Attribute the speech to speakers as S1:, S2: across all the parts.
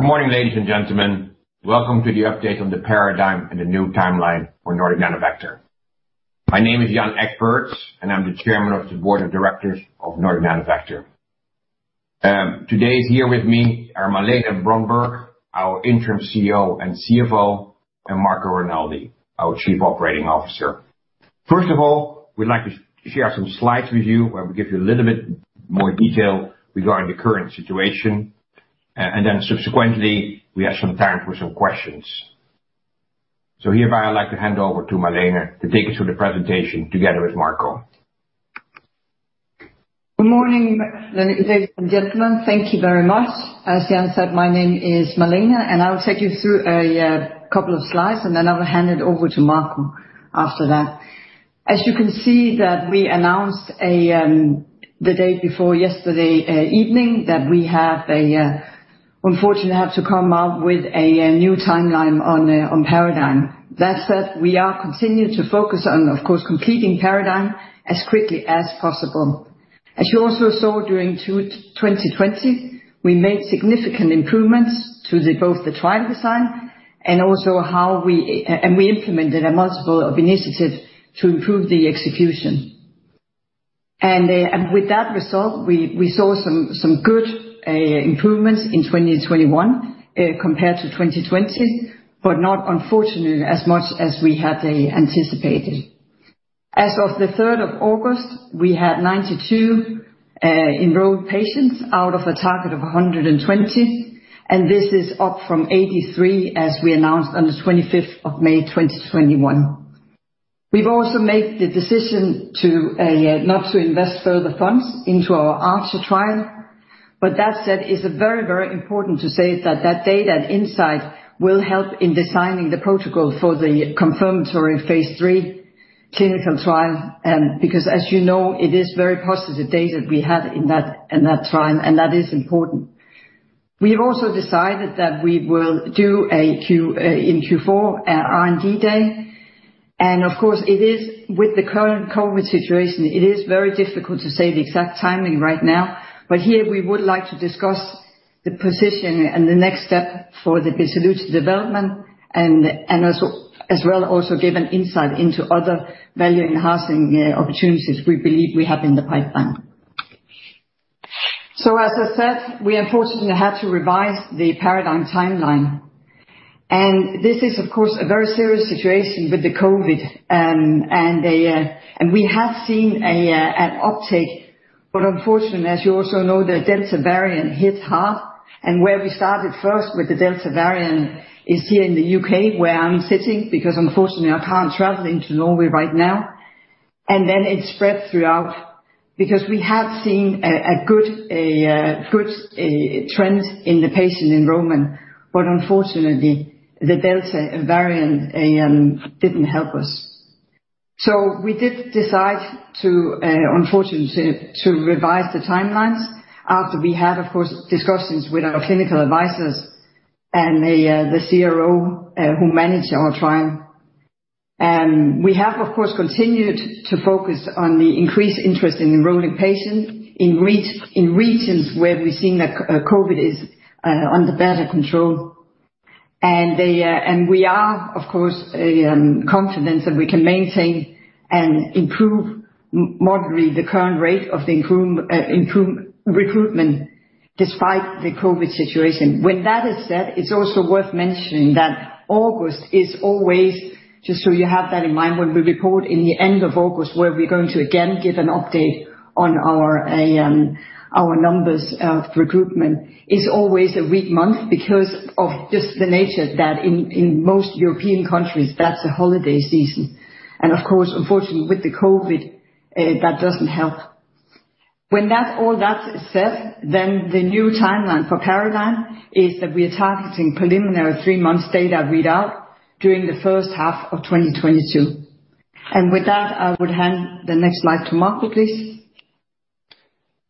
S1: Good morning, ladies and gentlemen. Welcome to the update on the PARADIGME and the new timeline for Nordic Nanovector. My name is Jan H. Egberts, I'm the Chairman of the board of directors of Nordic Nanovector. Today is here with me are Malene Brøndberg, our Interim CEO and CFO, and Marco Renoldi, our Chief Operating Officer. First of all, we'd like to share some slides with you, where we give you a little bit more detail regarding the current situation, and then subsequently, we have some time for some questions. Hereby I'd like to hand over to Malene to take us through the presentation together with Marco.
S2: Good morning, ladies and gentlemen. Thank you very much. As Jan said, my name is Malene, and I will take you through a couple of slides, and then I will hand it over to Marco after that. As you can see that we announced the day before yesterday evening that we unfortunately have to come up with a new timeline on PARADIGME. That said, we are continuing to focus on, of course, completing PARADIGME as quickly as possible. As you also saw during 2020, we made significant improvements to both the trial design and we implemented a multiple of initiatives to improve the execution. With that result, we saw some good improvements in 2021 compared to 2020, but not unfortunately as much as we had anticipated. As of the third of August, we had 92 enrolled patients out of a target of 120. This is up from 83 as we announced on the 25th of May 2021. We've also made the decision not to invest further funds into our Archer trial. That said, it's very important to say that data and insight will help in designing the protocol for the confirmatory phase III clinical trial, because as you know, it is very positive data we have in that trial, and that is important. We have also decided that we will do in Q4, R&D day. Of course, with the current COVID situation, it is very difficult to say the exact timing right now, but here we would like to discuss the position and the next step for the Betalutin development as well also give an insight into other value-enhancing opportunities we believe we have in the pipeline. As I said, we unfortunately had to revise the PARADIGME timeline. This is of course a very serious situation with the COVID, and we have seen an uptake, but unfortunately, as you also know, the Delta variant hit hard, and where we started first with the Delta variant is here in the U.K. where I'm sitting, because unfortunately, I can't travel into Norway right now. Then it spread throughout. We have seen a good trend in the patient enrollment, but unfortunately, the Delta variant didn't help us. We did decide, unfortunately, to revise the timelines after we had, of course, discussions with our clinical advisors and the CRO who manage our trial. We have, of course, continued to focus on the increased interest in enrolling patients in regions where we've seen that COVID is under better control. We are, of course, confident that we can maintain and improve moderately the current rate of the recruitment despite the COVID situation. When that is said, it's also worth mentioning that August is always, just so you have that in mind, when we report in the end of August where we're going to again give an update on our numbers of recruitment, is always a weak month because of just the nature that in most European countries, that's a holiday season. Of course, unfortunately with the COVID, that doesn't help. The new timeline for PARADIGME is that we are targeting preliminary three months data readout during the first half of 2022. With that, I would hand the next slide to Marco, please.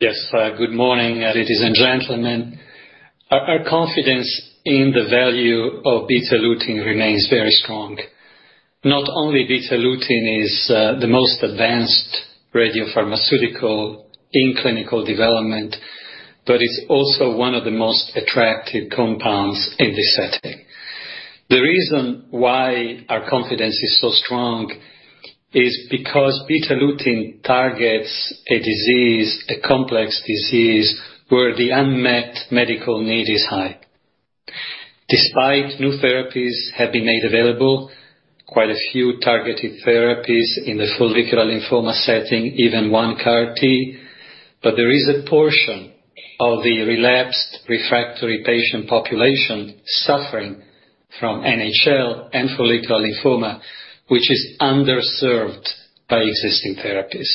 S3: Yes. Good morning, ladies and gentlemen. Our confidence in the value of Betalutin remains very strong. Not only Betalutin is the most advanced radiopharmaceutical in clinical development, but it's also one of the most attractive compounds in this setting. The reason why our confidence is so strong is because Betalutin targets a disease, a complex disease where the unmet medical need is high. Despite new therapies have been made available, quite a few targeted therapies in the follicular lymphoma setting, even one CAR T, there is a portion of the relapsed refractory patient population suffering from NHL and follicular lymphoma, which is underserved by existing therapies.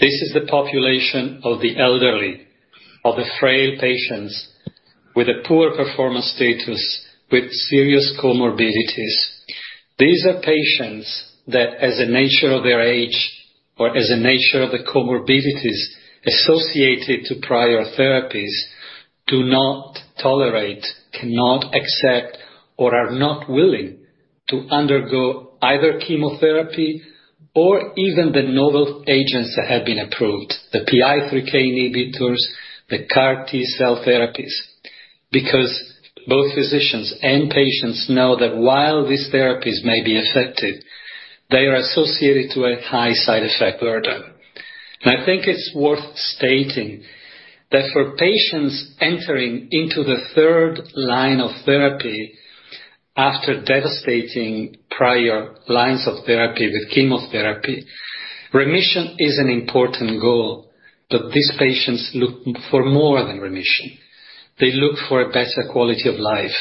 S3: This is the population of the elderly, of the frail patients with a poor performance status, with serious comorbidities. These are patients that, as a nature of their age, or as a nature of the comorbidities associated to prior therapies, do not tolerate, cannot accept, or are not willing to undergo either chemotherapy or even the novel agents that have been approved, the PI3K inhibitors, the CAR T-cell therapies. Because both physicians and patients know that while these therapies may be effective, they are associated to a high side effect burden. I think it's worth stating that for patients entering into the third line of therapy after devastating prior lines of therapy with chemotherapy, remission is an important goal. These patients look for more than remission. They look for a better quality of life.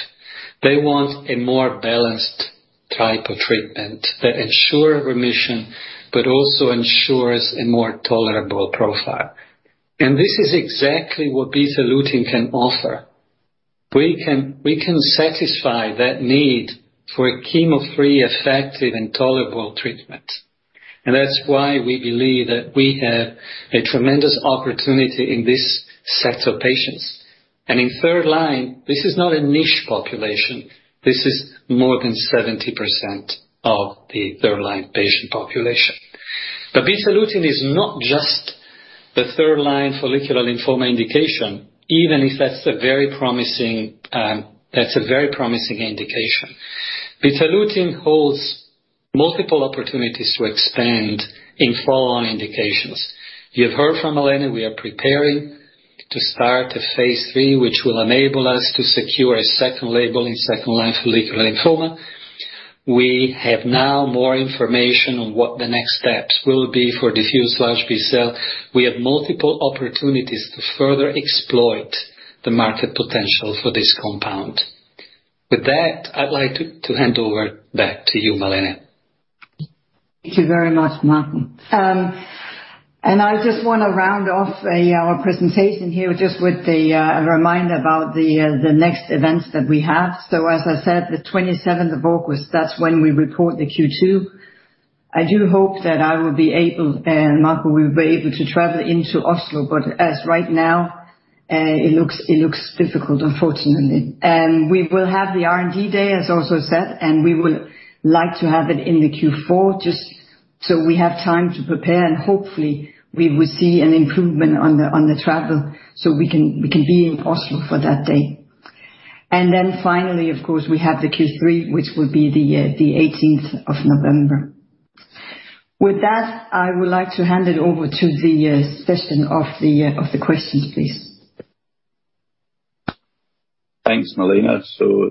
S3: They want a more balanced type of treatment that ensure remission, but also ensures a more tolerable profile. This is exactly what Betalutin can offer. We can satisfy that need for a chemo-free effective and tolerable treatment. That's why we believe that we have a tremendous opportunity in this set of patients. In third line, this is not a niche population. This is more than 70% of the third line patient population. Betalutin is not just the third line follicular lymphoma indication, even if that's a very promising indication. Betalutin holds multiple opportunities to expand in follow-on indications. You have heard from Malene, we are preparing to start a phase III, which will enable us to secure a second label in second line follicular lymphoma. We have now more information on what the next steps will be for diffuse large B-cell. We have multiple opportunities to further exploit the market potential for this compound. With that, I'd like to hand over back to you, Malene.
S2: Thank you very much, Marco. I just want to round off our presentation here just with a reminder about the next events that we have. As I said, the 27th of August, that's when we report the Q2. I do hope that I will be able, and Marco will be able to travel into Oslo, but as right now, it looks difficult, unfortunately. We will have the R&D day as also said, and we would like to have it in the Q4 just so we have time to prepare, and hopefully we will see an improvement on the travel so we can be in Oslo for that day. Finally, of course, we have the Q3, which will be the 18th of November. With that, I would like to hand it over to the session of the questions, please.
S4: Thanks, Malene.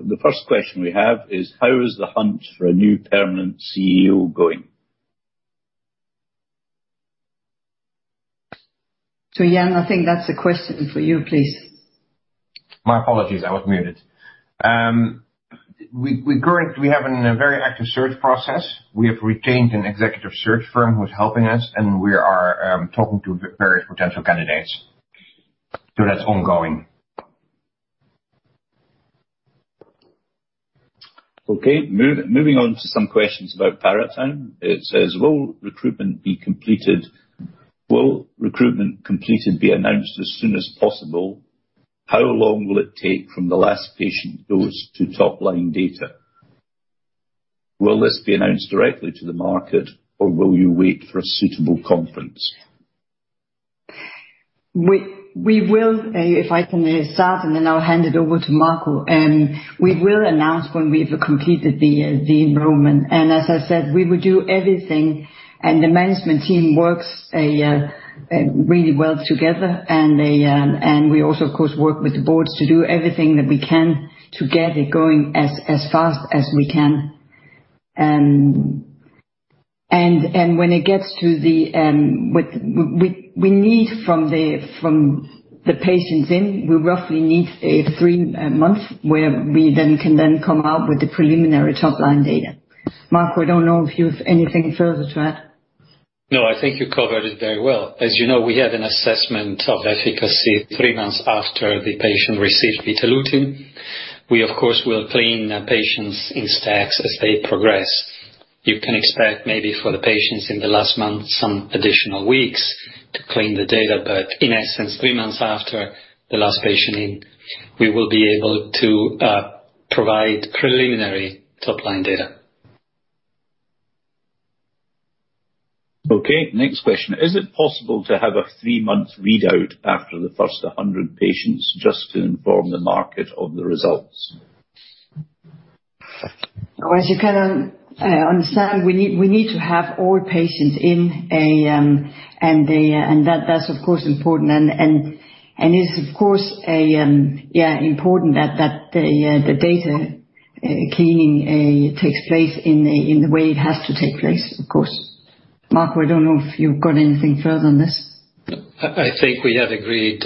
S4: The first question we have is, how is the hunt for a new permanent CEO going?
S2: Jan, I think that's a question for you, please.
S1: My apologies, I was muted. We currently have a very active search process. We have retained an executive search firm who is helping us, and we are talking to various potential candidates. That's ongoing.
S4: Okay. Moving on to some questions about PARADIGME. It says, will recruitment completed be announced as soon as possible? How long will it take from the last patient dose to top line data? Will this be announced directly to the market, or will you wait for a suitable conference?
S2: We will, if I can start and then I'll hand it over to Marco. We will announce when we have completed the enrollment. As I said, we will do everything, and the management team works really well together and we also, of course, work with the boards to do everything that we can to get it going as fast as we can. When it gets to the We need from the patients in, we roughly need three months where we can then come out with the preliminary top line data. Marco, I don't know if you've anything further to add.
S3: I think you covered it very well. As you know, we had an assessment of efficacy three months after the patient received Betalutin. We, of course, will clean patients in stacks as they progress. You can expect maybe for the patients in the last month, some additional weeks to clean the data, in essence, three months after the last patient in, we will be able to provide preliminary top line data.
S4: Next question. Is it possible to have a three-month readout after the first 100 patients just to inform the market of the results?
S2: As you can understand, we need to have all patients in, and that's of course important, and it's important that the data cleaning takes place in the way it has to take place, of course. Marco, I don't know if you've got anything further on this.
S3: I think we have agreed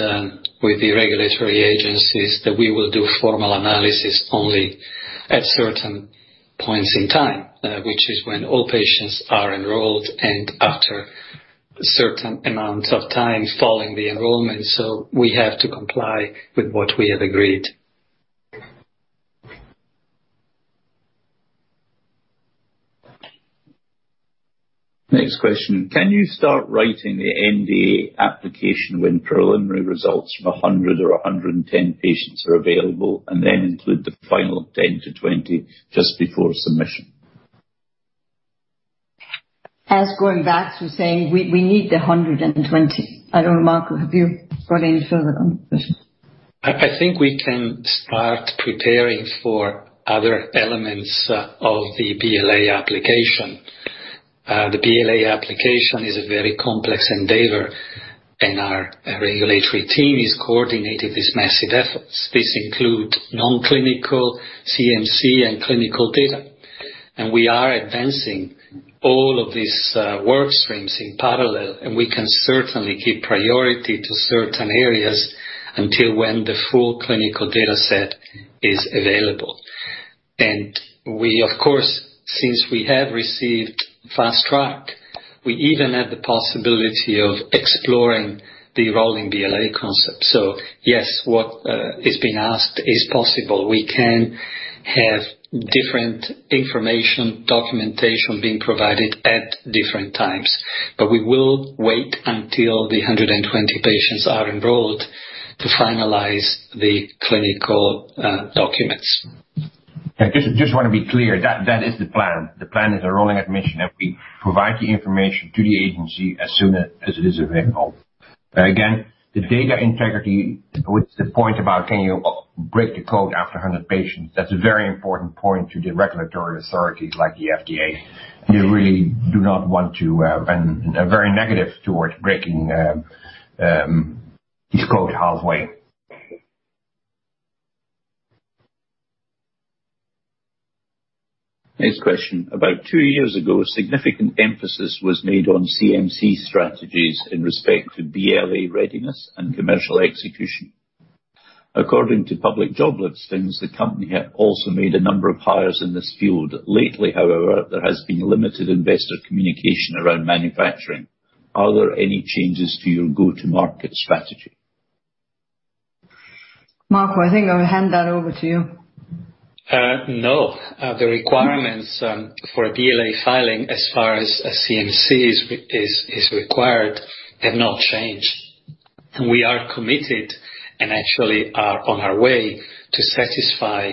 S3: with the regulatory agencies that we will do formal analysis only at certain points in time, which is when all patients are enrolled and after certain amounts of time following the enrollment. We have to comply with what we have agreed.
S4: Next question. Can you start writing the BLA application when preliminary results from 100 or 110 patients are available, and then include the final 10 to 20 just before submission?
S2: As going back to saying, we need the 120. I don't know, Marco, have you got any further on this?
S3: I think we can start preparing for other elements of the BLA application. The BLA application is a very complex endeavor, and our regulatory team is coordinating these massive efforts. This include non-clinical CMC and clinical data. We are advancing all of these work streams in parallel, and we can certainly give priority to certain areas until when the full clinical data set is available. We, of course, since we have received Fast Track, we even have the possibility of exploring the rolling BLA concept. Yes, what is being asked is possible. We can have different information, documentation being provided at different times. We will wait until the 120 patients are enrolled to finalize the clinical documents.
S1: Yeah, just want to be clear. That is the plan. The plan is a rolling admission. We provide the information to the agency as soon as it is available. Again, the data integrity, which the point about can you break the code after 100 patients, that's a very important point to the regulatory authorities like the FDA. You really do not want to, and are very negative towards breaking this code halfway.
S4: Next question. About two years ago, significant emphasis was made on CMC strategies in respect to BLA readiness and commercial execution. According to public job listings, the company had also made a number of hires in this field. Lately, however, there has been limited investor communication around manufacturing. Are there any changes to your go-to market strategy?
S2: Marco, I think I'm going to hand that over to you.
S3: No. The requirements for a BLA filing, as far as a CMC is required, have not changed. We are committed, and actually are on our way, to satisfy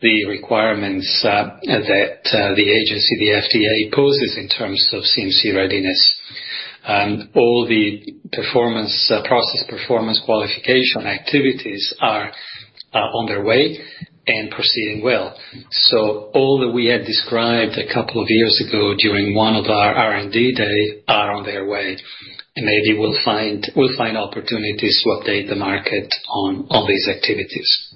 S3: the requirements that the agency, the FDA, poses in terms of CMC readiness. All the Process Performance Qualification activities are on their way and proceeding well. All that we had described a couple of years ago during one of our R&D day are on their way. Maybe we'll find opportunities to update the market on these activities.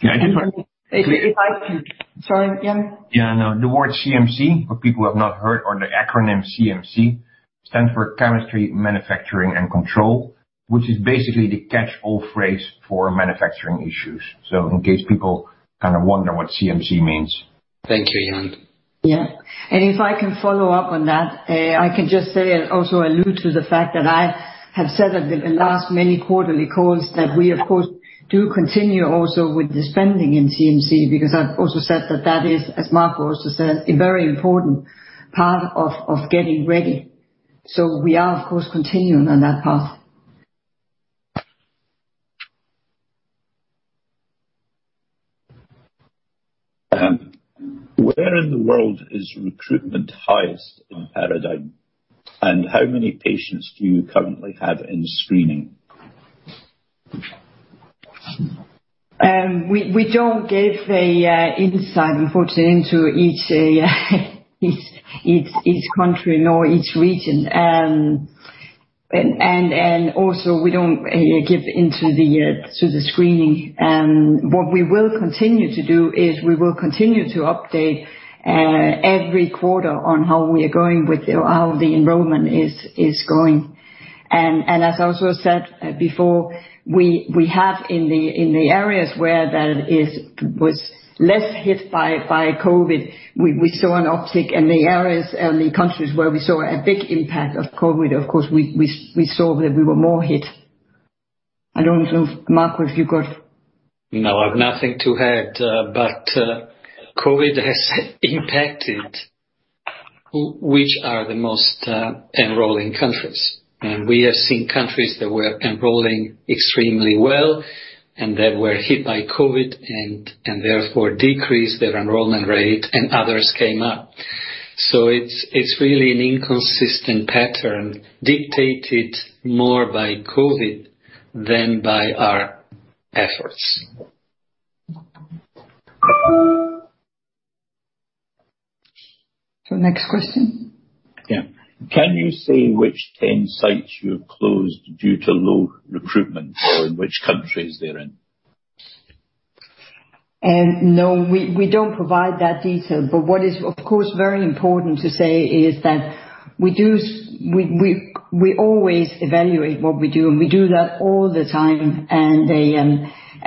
S1: Can I just.
S2: If I could Sorry, Jan.
S1: Yeah, no. The word CMC, for people who have not heard, or the acronym CMC, stands for Chemistry Manufacturing and Control, which is basically the catch-all phrase for manufacturing issues. In case people wonder what CMC means.
S3: Thank you, Jan.
S2: Yeah. If I can follow up on that, I can just say and also allude to the fact that I have said at the last many quarterly calls that we, of course, do continue also with the spending in CMC, because I've also said that that is, as Marco also said, a very important part of getting ready. We are, of course, continuing on that path.
S4: Where in the world is recruitment highest in PARADIGME, and how many patients do you currently have in screening?
S2: We don't give the insight, unfortunately, into each country nor each region. Also, we don't give into the screening. What we will continue to do is we will continue to update every quarter on how the enrollment is going. As I also said before, we have in the areas where that was less hit by COVID, we saw an uptick in the areas and the countries where we saw a big impact of COVID. Of course, we saw that we were more hit. I don't know, Marco, if you got.
S3: No, I've nothing to add. COVID has impacted which are the most enrolling countries. We have seen countries that were enrolling extremely well and that were hit by COVID, and therefore decreased their enrollment rate, and others came up. It's really an inconsistent pattern dictated more by COVID than by our efforts.
S2: Next question.
S4: Yeah. Can you say which 10 sites you have closed due to low recruitment? Or in which countries they're in?
S2: No. We don't provide that detail. What is, of course, very important to say is that we always evaluate what we do, and we do that all the time.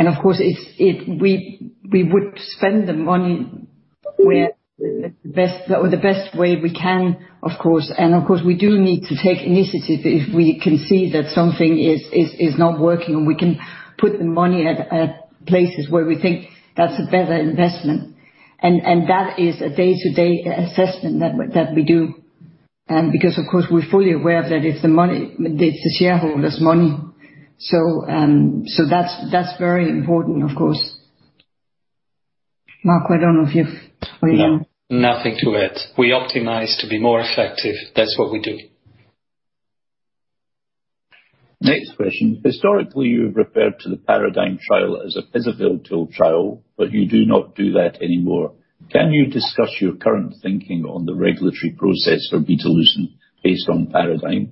S2: Of course, we would spend the money the best way we can, of course. Of course, we do need to take initiative if we can see that something is not working, and we can put the money at places where we think that's a better investment. That is a day-to-day assessment that we do. Because of course, we're fully aware of that it's the shareholders' money. That's very important, of course. Marco, I don't know if you have anything to add.
S3: No, nothing to add. We optimize to be more effective. That's what we do.
S4: Next question. Historically, you've referred to the PARADIGME trial as a pivotal trial, but you do not do that anymore. Can you discuss your current thinking on the regulatory process for Betalutin based on PARADIGME?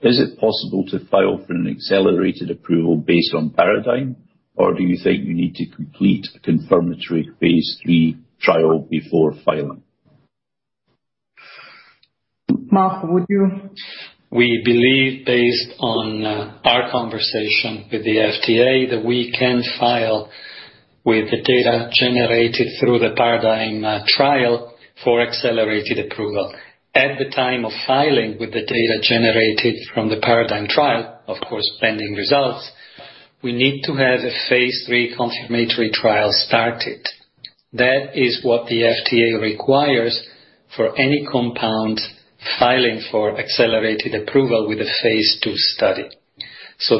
S4: Is it possible to file for an Accelerated Approval based on PARADIGME, or do you think you need to complete a confirmatory phase III trial before filing?
S2: Marco, would you?
S3: We believe, based on our conversation with the FDA, that we can file with the data generated through the PARADIGME trial for Accelerated Approval. At the time of filing with the data generated from the PARADIGME trial, of course, pending results, we need to have a phase III confirmatory trial started. That is what the FDA requires for any compound filing for Accelerated Approval with a phase II study.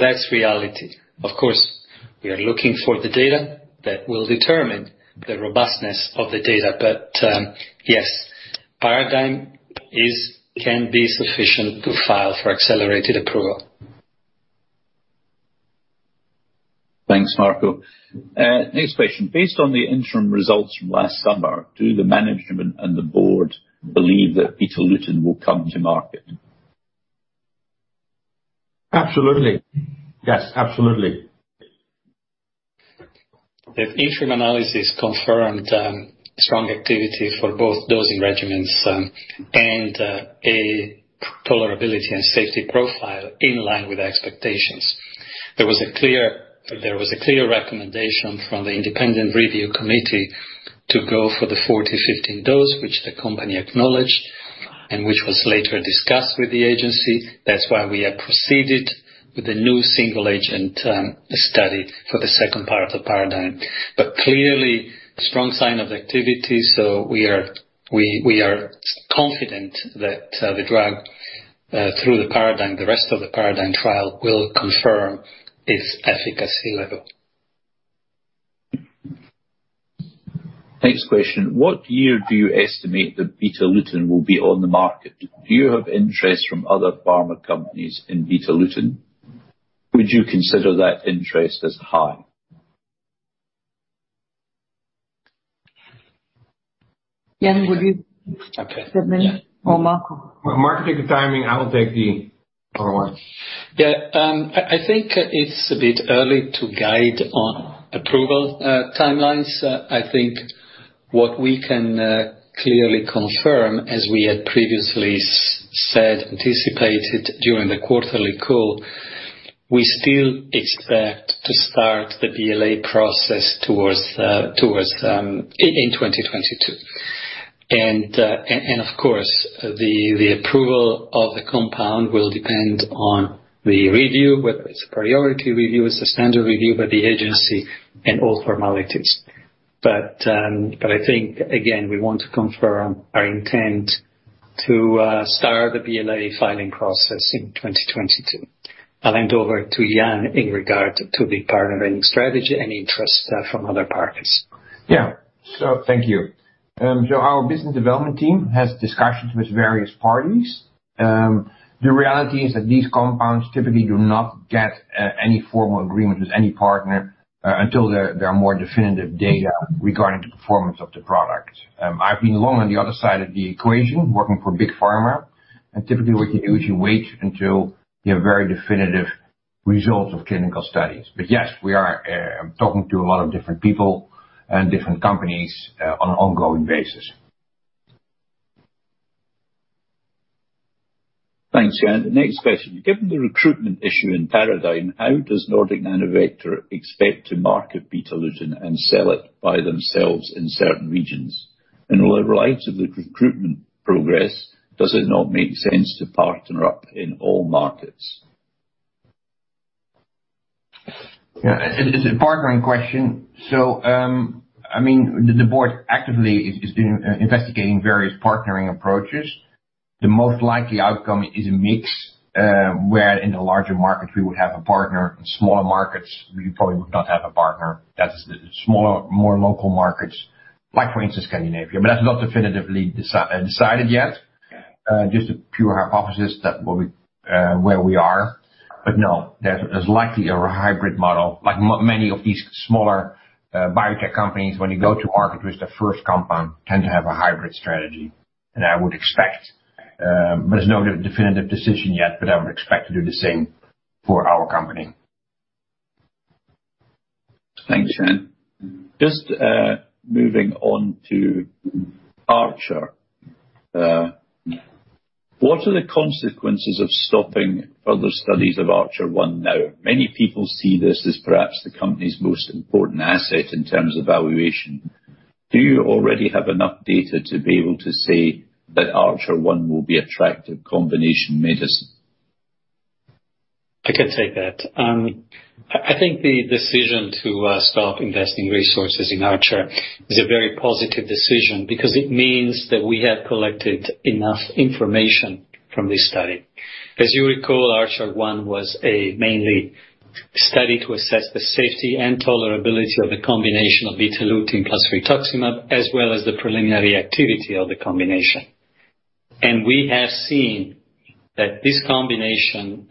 S3: That's reality. Of course, we are looking for the data that will determine the robustness of the data. Yes, PARADIGME can be sufficient to file for Accelerated Approval.
S4: Thanks, Marco. Next question. Based on the interim results from last summer, do the management and the board believe that Betalutin will come to market?
S1: Absolutely. Yes, absolutely.
S3: The interim analysis confirmed strong activity for both dosing regimens, and a tolerability and safety profile in line with expectations. There was a clear recommendation from the independent review committee to go for the 40/15 dose, which the company acknowledged, and which was later discussed with the agency. That's why we have proceeded with a new single agent study for the second part of PARADIGME. Clearly, strong sign of activity, so we are confident that the drug through the rest of the PARADIGME trial will confirm its efficacy level.
S4: Next question. What year do you estimate that Betalutin will be on the market? Do you have interest from other pharma companies in Betalutin? Would you consider that interest as high?
S2: Jan, would you take that one? Or Marco?
S1: Marco, take the timing, I will take the other one.
S3: Yeah. I think it's a bit early to guide on approval timelines. I think what we can clearly confirm, as we had previously said, anticipated during the quarterly call, we still expect to start the BLA process in 2022. Of course, the approval of the compound will depend on the review, whether it's a priority review, it's a standard review by the agency and all formalities. I think, again, we want to confirm our intent to start the BLA filing process in 2022. I'll hand over to Jan in regard to the partnering strategy and interest from other parties.
S1: Yeah. Thank you. Our business development team has discussions with various parties. The reality is that these compounds typically do not get any formal agreement with any partner until there are more definitive data regarding the performance of the product. I've been long on the other side of the equation, working for big pharma. Typically what you do is you wait until you have very definitive results of clinical studies. Yes, we are talking to a lot of different people and different companies on an ongoing basis.
S4: Thanks, Jan. Next question. Given the recruitment issue in PARADIGME, how does Nordic Nanovector expect to market Betalutin and sell it by themselves in certain regions? In light of the recruitment progress, does it not make sense to partner up in all markets?
S1: Yeah. It's a partnering question. The board actively is investigating various partnering approaches. The most likely outcome is a mix, where in the larger markets we would have a partner. In smaller markets, we probably would not have a partner. That's the smaller, more local markets, like for instance, Scandinavia. That's not definitively decided yet. Just a pure hypothesis that where we are. There's likely a hybrid model. Many of these smaller biotech companies, when you go to market with the first compound, tend to have a hybrid strategy, and I would expect. There's no definitive decision yet, but I would expect to do the same for our company.
S4: Thanks, Jan. Just moving on to Archer. What are the consequences of stopping further studies of Archer-1 now? Many people see this as perhaps the company's most important asset in terms of valuation. Do you already have enough data to be able to say that Archer-1 will be attractive combination made as?
S3: I can take that. I think the decision to stop investing resources in Archer is a very positive decision because it means that we have collected enough information from this study. As you recall, Archer-1 was a mainly study to assess the safety and tolerability of the combination of Betalutin plus rituximab as well as the preliminary activity of the combination. We have seen that this combination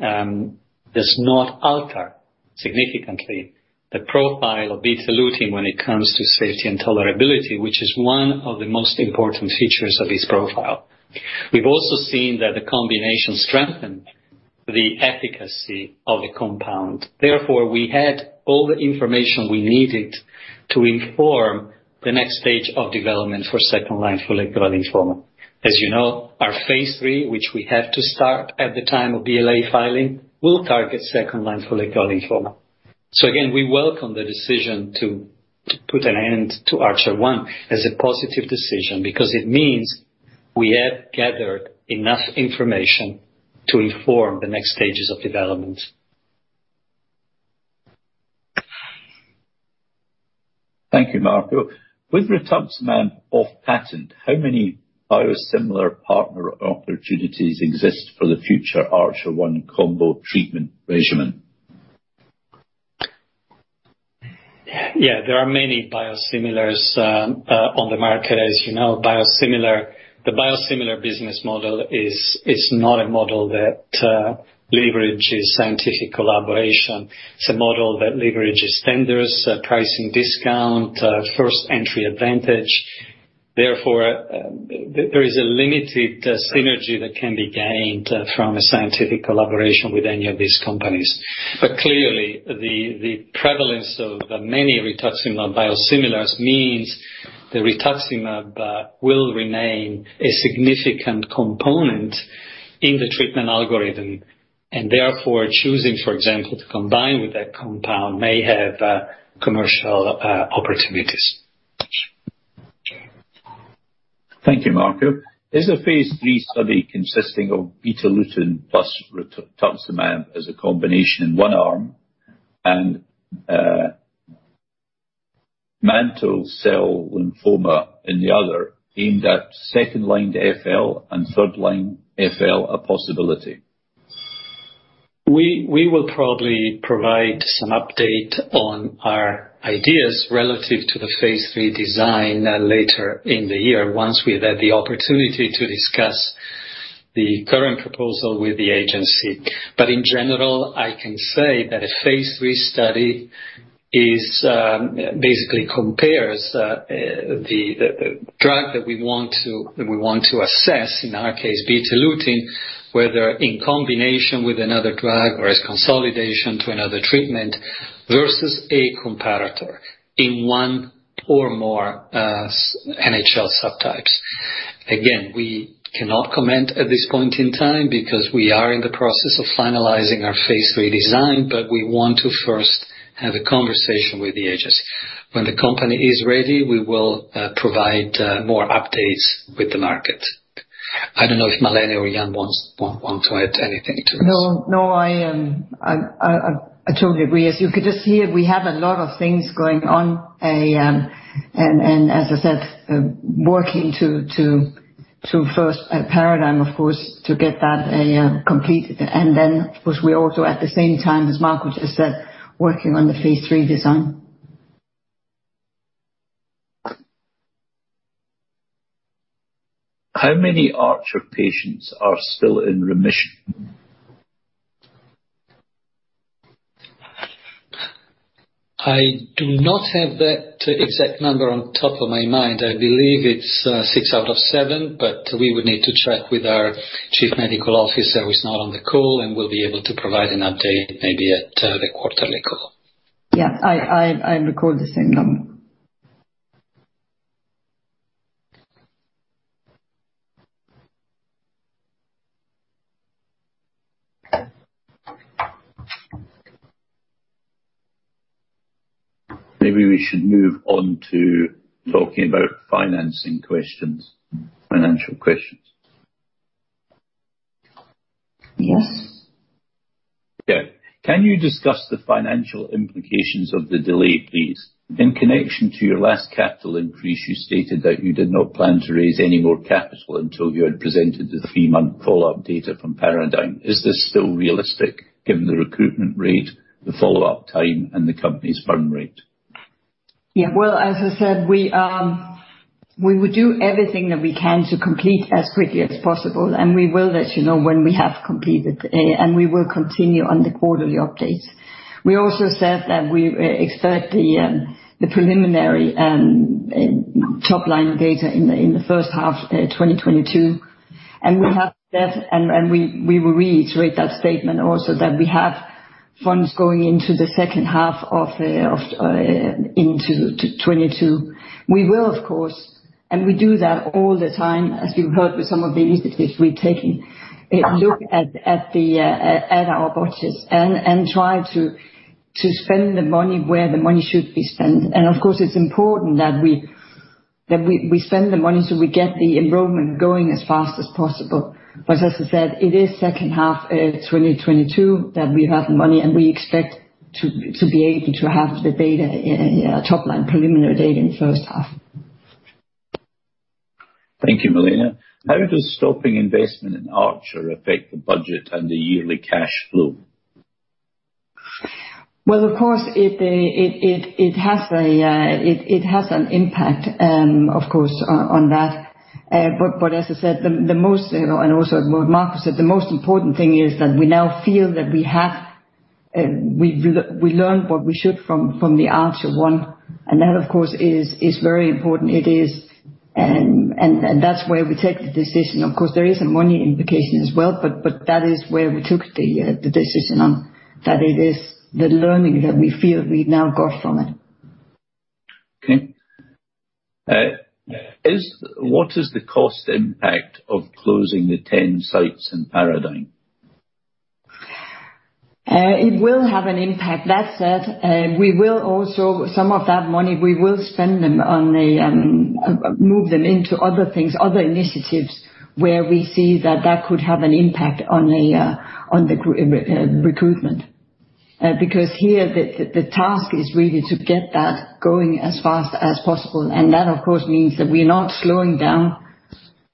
S3: does not alter significantly the profile of Betalutin when it comes to safety and tolerability, which is one of the most important features of its profile. We've also seen that the combination strengthened the efficacy of the compound. Therefore, we had all the information we needed to inform the next stage of development for second-line follicular lymphoma. As you know, our phase III, which we have to start at the time of BLA filing, will target second-line follicular lymphoma. Again, we welcome the decision to put an end to Archer-1 as a positive decision because it means we have gathered enough information to inform the next stages of development.
S4: Thank you, Marco. With rituximab off patent, how many biosimilar partner opportunities exist for the future Archer-1 combo treatment regimen?
S3: There are many biosimilars on the market. As you know, the biosimilar business model is not a model that leverages scientific collaboration. It's a model that leverages tenders, pricing discount, first entry advantage. Therefore, there is a limited synergy that can be gained from a scientific collaboration with any of these companies. Clearly, the prevalence of many rituximab biosimilars means the rituximab will remain a significant component in the treatment algorithm, and therefore choosing, for example, to combine with that compound may have commercial opportunities.
S4: Thank you, Marco. Is a phase III study consisting of Betalutin plus rituximab as a combination in one arm and mantle cell lymphoma in the other aimed at second-line FL and third line FL a possibility?
S3: We will probably provide some update on our ideas relative to the phase III design later in the year once we've had the opportunity to discuss the current proposal with the agency. In general, I can say that a phase III study basically compares the drug that we want to assess, in our case, Betalutin, whether in combination with another drug or as consolidation to another treatment versus a comparator in one or more NHL subtypes. Again, we cannot comment at this point in time because we are in the process of finalizing our phase III design, we want to first have a conversation with the agency. When the company is ready, we will provide more updates with the market. I don't know if Malene or Jan want to add anything to this.
S2: No, I totally agree. As you could just hear, we have a lot of things going on, and as I said, working to first a PARADIGME, of course, to get that completed, and then, of course, we also at the same time, as Marco just said, working on the phase III design.
S4: How many Archer patients are still in remission?
S3: I do not have that exact number on top of my mind. I believe it is six out of seven, but we would need to check with our chief medical officer who is not on the call, and we will be able to provide an update maybe at the quarterly call.
S2: Yeah, I recall the same number.
S4: Maybe we should move on to talking about financing questions, financial questions.
S2: Yes.
S4: Yeah. Can you discuss the financial implications of the delay, please? In connection to your last capital increase, you stated that you did not plan to raise any more capital until you had presented the three-month follow-up data from PARADIGME. Is this still realistic given the recruitment rate, the follow-up time, and the company's burn rate?
S2: Yeah. Well, as I said, we will do everything that we can to complete as quickly as possible, and we will let you know when we have completed, and we will continue on the quarterly updates. We also said that we expect the preliminary top-line data in the first half of 2022. We will reiterate that statement also that we have funds going into the second half into 2022. We will, of course, and we do that all the time, as you've heard with some of the initiatives we're taking, look at our boxes and try to spend the money where the money should be spent. Of course, it's important that we spend the money so we get the enrollment going as fast as possible. As I said, it is second half of 2022 that we have the money, and we expect to be able to have the top-line preliminary data in the first half.
S4: Thank you, Malene. How does stopping investment in Archer affect the budget and the yearly cash flow?
S2: Well, of course, it has an impact, of course, on that. As I said, and also as Marco said, the most important thing is that we now feel that we learned what we should from the Archer-1, that, of course, is very important. That's where we take the decision. Of course, there is a money implication as well, but that is where we took the decision on, that it is the learning that we feel we've now got from it.
S4: Okay. What is the cost impact of closing the 10 sites in PARADIGME?
S2: It will have an impact. That said, some of that money, we will move them into other things, other initiatives, where we see that that could have an impact on the recruitment. Here, the task is really to get that going as fast as possible. That, of course, means that we're not slowing down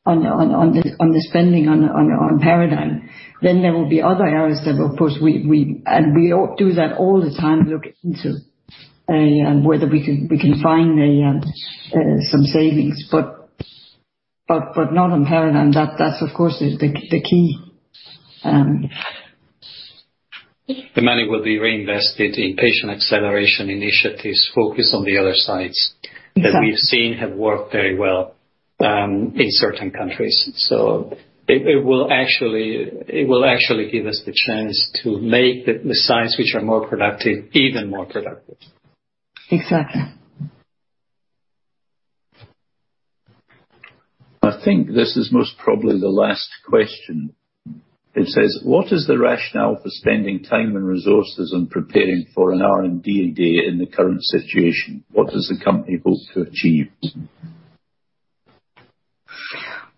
S2: on the spending on PARADIGME. There will be other areas that, of course. We do that all the time, look into whether we can find some savings. Not on PARADIGME. That, of course, is the key.
S3: The money will be reinvested in patient acceleration initiatives focused on the other sites.
S2: Exactly.
S3: That we've seen have worked very well in certain countries. It will actually give us the chance to make the sites which are more productive, even more productive.
S2: Exactly.
S4: I think this is most probably the last question. It says, "What is the rationale for spending time and resources on preparing for an R&D day in the current situation? What does the company hope to achieve?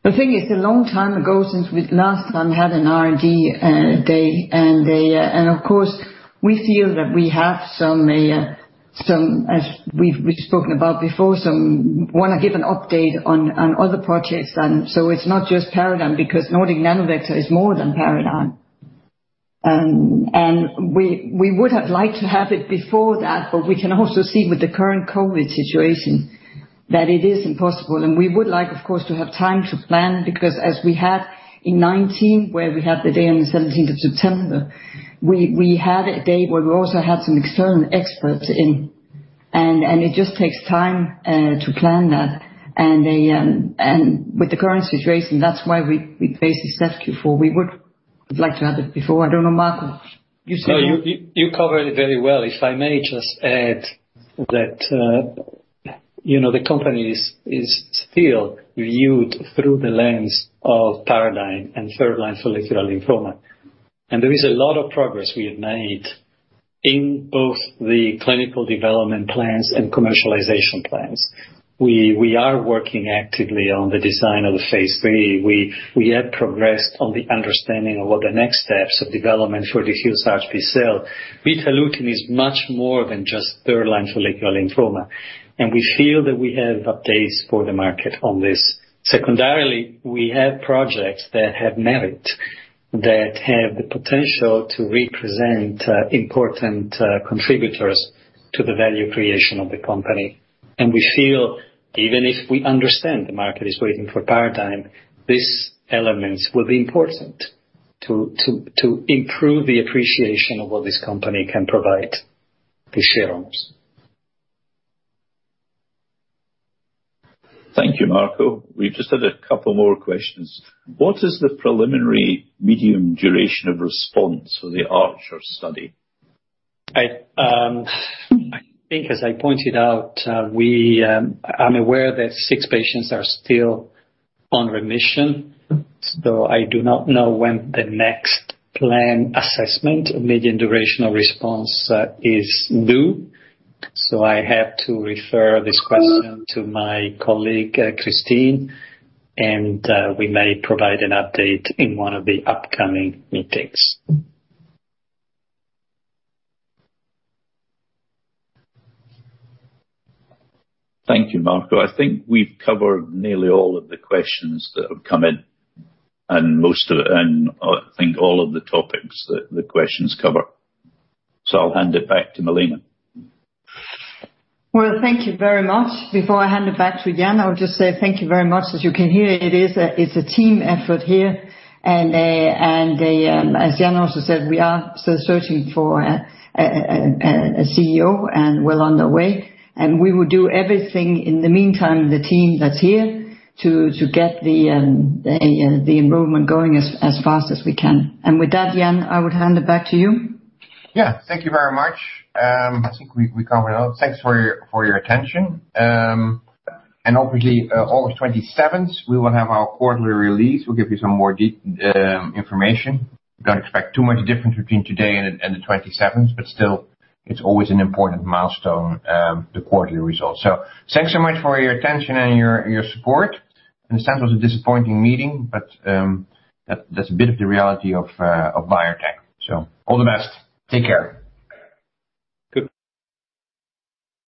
S2: I think it's a long time ago since we last time had an R&D day. Of course, we feel that we have some, as we've spoken about before, want to give an update on other projects then. It's not just PARADIGME, because Nordic Nanovector is more than PARADIGME. We would have liked to have it before that, but we can also see with the current COVID situation that it is impossible. We would like, of course, to have time to plan, because as we had in 2019, where we had the day on the 17th of September, we had a day where we also had some external experts in, and it just takes time to plan that. With the current situation, that's why we placed it Q4. We would like to have it before. I don't know, Marco.
S3: No, you covered it very well. If I may just add that the company is still viewed through the lens of PARADIGME and third-line follicular lymphoma. There is a lot of progress we have made in both the clinical development plans and commercialization plans. We are working actively on the design of the phase III. We have progressed on the understanding of what the next steps of development for diffuse large B-cell. Betalutin is much more than just third-line follicular lymphoma, and we feel that we have updates for the market on this. Secondarily, we have projects that have merit, that have the potential to represent important contributors to the value creation of the company. We feel, even if we understand the market is waiting for PARADIGME, these elements will be important to improve the appreciation of what this company can provide to shareholders.
S4: Thank you, Marco. We've just had a couple more questions. What is the preliminary medium duration of response for the Archer study?
S3: I think, as I pointed out, I'm aware that six patients are still on remission, so I do not know when the next planned assessment of median durational of response is due. I have to refer this question to my colleague, Christine, and we may provide an update in one of the upcoming meetings.
S4: Thank you, Marco. I think we've covered nearly all of the questions that have come in, and I think all of the topics that the questions cover. I'll hand it back to Malene.
S2: Well, thank you very much. Before I hand it back to Jan, I would just say thank you very much. As you can hear, it's a team effort here. As Jan also said, we are still searching for a CEO and well on the way. We will do everything, in the meantime, the team that's here, to get the enrollment going as fast as we can. With that, Jan, I would hand it back to you.
S1: Thank you very much. I think we covered a lot. Thanks for your attention. Obviously, August 27th, we will have our quarterly release. We'll give you some more deep information. Don't expect too much difference between today and the 27th, still, it's always an important milestone, the quarterly results. Thanks so much for your attention and your support. It's kind of a disappointing meeting, that's a bit of the reality of biotech. All the best. Take care.
S4: Good.